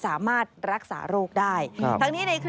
สามารถรักษาโรคได้